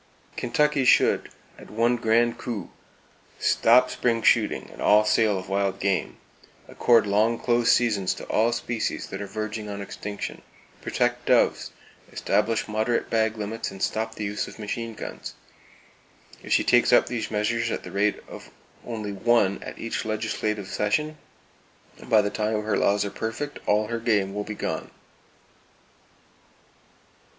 Kentucky should at one grand coup stop spring shooting and all sale of wild game, accord long close seasons to all species that are verging on extinction, protect doves, establish moderate bag limits and stop the use of machine guns. If she takes up these measures at the rate of only one at each legislative session, by the time her laws are perfect all her game will be gone!